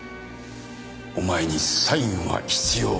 お前にサインは必要ない。